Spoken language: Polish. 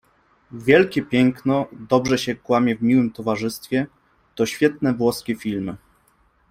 Wielkie Piękno, Dobrze się kłamie w miłym towarzystwie to świetne włoskie filmy.